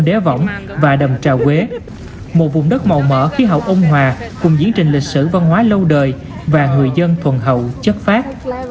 đế võng và đầm trà quế một vùng đất màu mỡ khí hậu ôn hòa cùng diễn trình lịch sử văn hóa lâu đời và người dân thuần hậu chất phát